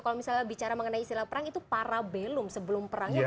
kalau misalnya bicara mengenai istilah perang itu parabelum sebelum perangnya